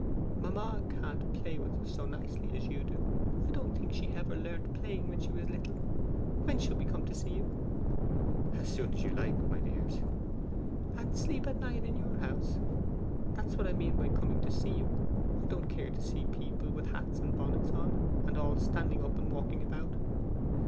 'Mamma can't play with us so nicely as you do. I don't think she ever learnt playing when she was little. When shall we come to see you?' 'As soon as you like, dears.' 'And sleep at your house all night? That's what I mean by coming to see you. I don't care to see people with hats and bonnets on, and all standing up and walking about.